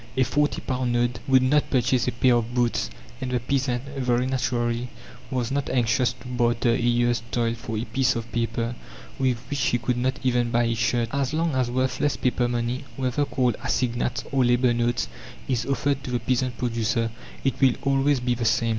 A forty pound note would not purchase a pair of boots, and the peasant, very naturally, was not anxious to barter a year's toil for a piece of paper with which he could not even buy a shirt. As long as worthless paper money whether called assignats or labour notes is offered to the peasant producer it will always be the same.